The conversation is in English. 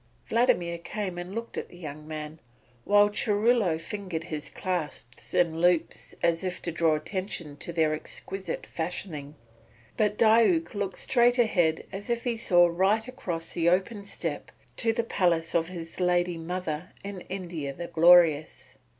Vladimir came and looked at the young men, while Churilo fingered his clasps and loops as if to draw attention to their exquisite fashioning; but Diuk looked straight ahead as if he saw right across the open steppe to the palace of his lady mother in India the Glorious.